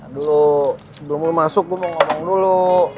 dulu sebelum mau masuk gue mau ngomong dulu